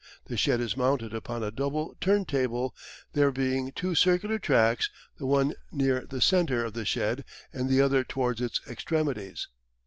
The shed is mounted upon a double turn table, there being two circular tracks the one near the centre of the shed and the other towards its extremities.